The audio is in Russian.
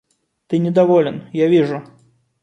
Ты недоволен, я вижу.